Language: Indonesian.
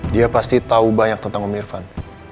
dia pasti tahu banyak tentang om irfan